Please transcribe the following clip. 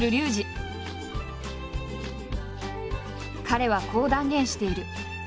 彼はこう断言している。